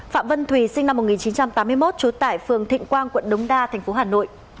phạm vân thùy sinh năm một nghìn chín trăm tám mươi một trú tại phường thịnh quang quận đông đa thành phố hà nội